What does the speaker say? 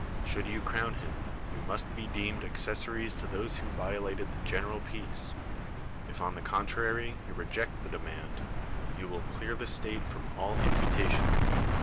Should you crown him, you must be deemed accessories to those who violated the general peace: if, on the contrary, you reject the demand, you wil] clear the state from all imputation.